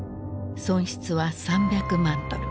損失は３００万ドル。